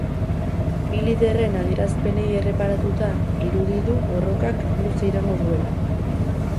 Bi liderren adierazpenei erreparatuta, irudi du borrokak luze iraungo duela